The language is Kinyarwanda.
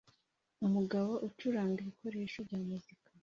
Umugabo ucuranga ibikoresho bya muzika